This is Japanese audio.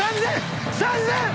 ３，０００円。